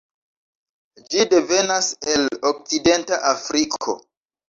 Ĝi devenas el Okcidenta Afriko.